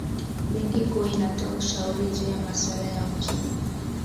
benki kuu inatoa ushauri juu ya masuala ya uchumi